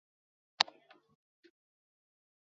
花朵颜色由淡紫色至粉红色及白色不等。